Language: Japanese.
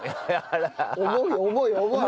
重い重い重い。